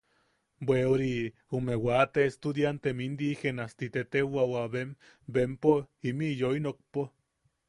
Bwe, ori... ume waate estudiantem indigenas ti teteuwawa bem... bempo imiʼi yoinokpo.